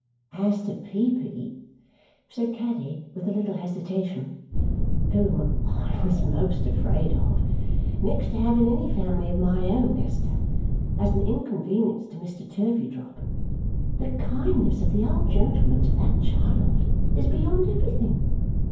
"As to Peepy," said Caddy with a little hesitation, "whom I was most afraid of next to having any family of my own, Esther as an inconvenience to Mr. Turveydrop, the kindness of the old gentleman to that child is beyond everything.